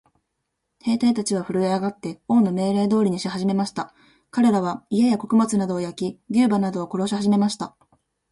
兵隊たちはふるえ上って、王の命令通りにしはじめました。かれらは、家や穀物などを焼き、牛馬などを殺しはじめました。